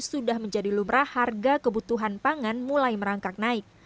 sudah menjadi lumrah harga kebutuhan pangan mulai merangkak naik